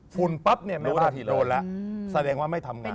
ฝุ่นปั๊บเนี่ยโดนแล้วแสดงว่าไม่ทำงาน